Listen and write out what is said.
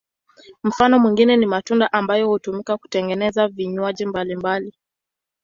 Mfano mwingine ni matunda ambayo hutumika kutengeneza vinywaji mbalimbali.